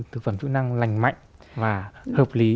thực phẩm chữ năng lành mạnh và hợp lý